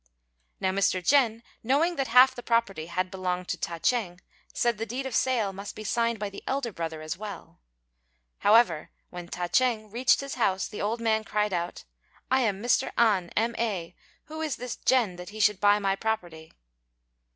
Now Mr. Jen, knowing that half the property had belonged to Ta ch'êng, said the deed of sale must be signed by the elder brother as well; however, when Ta ch'êng reached his house, the old man cried out, "I am Mr. An, M.A., who is this Jen that he should buy my property?"